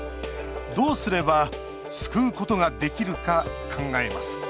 どうすれば救うことができるか考えます